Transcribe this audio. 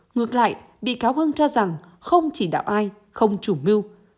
ngược lại bị cáo hưng cho rằng không chỉ đạo ai không chủ mưu